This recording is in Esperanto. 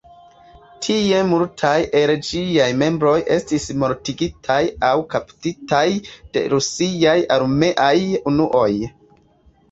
Tie multaj el ĝiaj membroj estis mortigitaj aŭ kaptitaj de rusiaj armeaj unuoj.